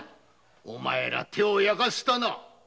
お前ら手を焼かしたな。